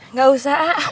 nggak usah ah